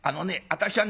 私はね